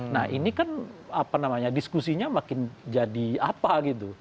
nah ini kan apa namanya diskusinya makin jadi apa gitu